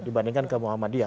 dibandingkan ke muhammadiyah